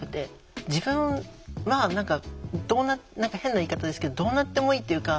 自分は何か変な言い方ですけどどうなってもいいっていうか。